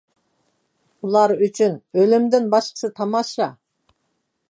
ئۇلار ئۈچۈن ئۆلۈمدىن باشقىسى تاماشا.